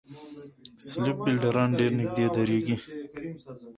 سلیپ فېلډران ډېر نږدې درېږي.